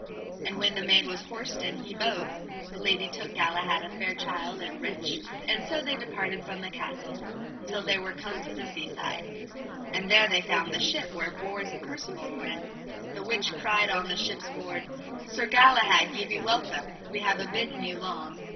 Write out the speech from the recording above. And when the maid was horsed and he both, the lady took Galahad a fair child and rich; and so they departed from the castle till they came to the seaside; and there they found the ship where Bors and Percivale were in, the which cried on the ship's board: Sir Galahad, ye be welcome, we have abiden you long.